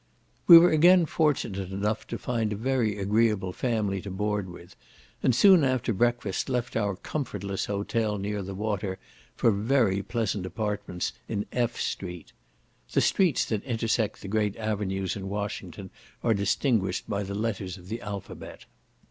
We were again fortunate enough to find a very agreeable family to board with; and soon after breakfast left our comfortless hotel near the water, for very pleasant apartments in F. street. The streets that intersect the great avenues in Washington are distinguished by the letters of the alphabet.